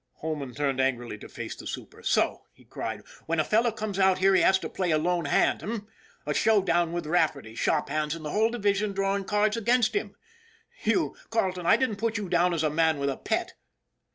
Holman turned angrily to face the super. " So," he cried, " when a fellow comes out here he has to play a lone hand, eh? A show down with Rafferty, shop hands, and the whole division drawing cards against him. You, Carleton, I didn't put you down as a man with a pet."